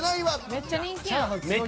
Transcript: めっちゃ人気やん。